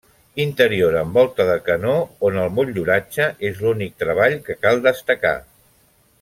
Interior amb volta de canó on el motlluratge és l'únic treball que cal destacar.